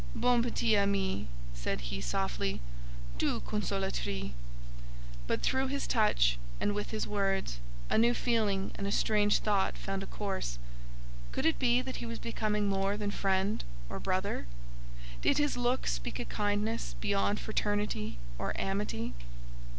"Bonne petite amie!" said he, softly; "douce consolatrice!" But through his touch, and with his words, a new feeling and a strange thought found a course. Could it be that he was becoming more than friend or brother? Did his look speak a kindness beyond fraternity or amity?